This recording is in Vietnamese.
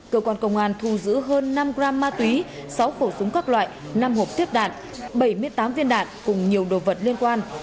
cơ quan công an thu giữ hơn năm gram ma túy sáu khẩu súng các loại năm hộp tiếp đạn bảy mươi tám viên đạn cùng nhiều đồ vật liên quan